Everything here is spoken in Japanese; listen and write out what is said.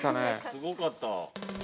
◆すごかった。